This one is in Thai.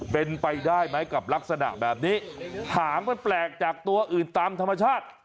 เป็นไปได้ไหมกับลักษณะแบบนี้หางมันแปลกจากตัวอื่นตามธรรมชาติ